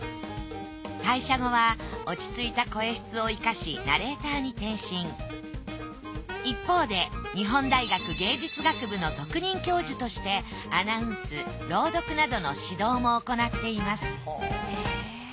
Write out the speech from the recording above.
退社後は落ち着いた声質を生かし一方で日本大学芸術学部の特任教授としてアナウンス朗読などの指導も行っています。